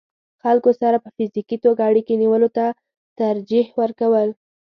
خلکو سره په فزيکي توګه اړيکې نيولو ته ترجيح ورکول